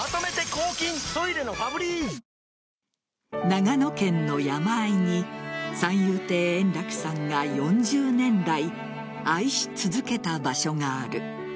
長野県の山あいに三遊亭円楽さんが４０年来、愛し続けた場所がある。